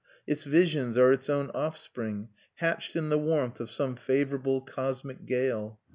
Its visions are its own offspring, hatched in the warmth of some favourable cosmic gale.